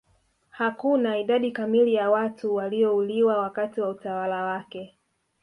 Hakuna idadi kamili ya watu waliouliwa wakati wa utawala wake